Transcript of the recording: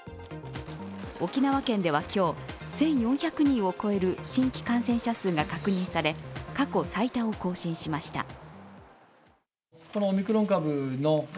沖縄県では今日、１４００人を超える新規感染者数が確認され、過去最多を更新しました。